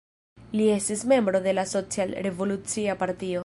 Li estis membro de la Social-Revolucia Partio.